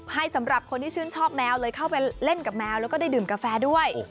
สำหรับคนที่ชื่นชอบแมวเลยเข้าไปเล่นกับแมวแล้วก็ได้ดื่มกาแฟด้วย